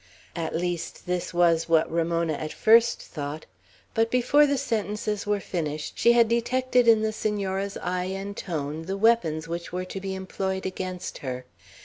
At least, this was what Ramona at first thought; but before the sentences were finished, she had detected in the Senora's eye and tone the weapons which were to be employed against her.